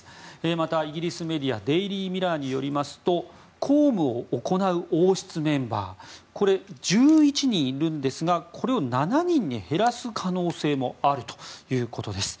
また、イギリスメディアデイリー・ミラーによりますと公務を行う王室メンバー１１人いるんですが７人に減らす可能性もあるということです。